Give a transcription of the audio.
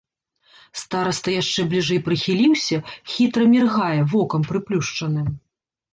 Стараста яшчэ бліжэй прыхіліўся, хітра міргае вокам прыплюшчаным.